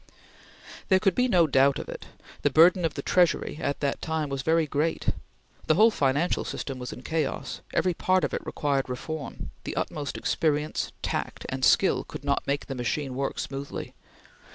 There could be no doubt of it. The burden of the Treasury at that time was very great. The whole financial system was in chaos; every part of it required reform; the utmost experience, tact, and skill could not make the machine work smoothly.